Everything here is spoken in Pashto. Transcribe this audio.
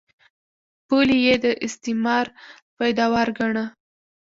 پولې یې د استعمار پیداوار ګاڼه.